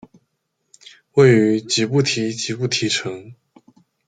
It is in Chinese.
位于吉布提吉布提城。